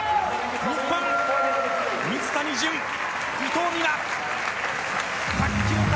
日本、水谷隼、伊藤美誠卓球界